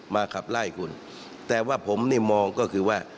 ขับไล่คุณแต่ว่าผมนี่มองก็คือว่า